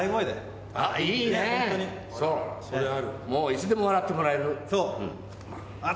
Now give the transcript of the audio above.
いつでも笑ってもらえる。